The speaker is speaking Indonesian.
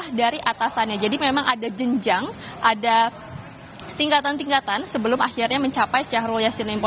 nah dari atasannya jadi memang ada jenjang ada tingkatan tingkatan sebelum akhirnya mencapai syahrul yassin limpo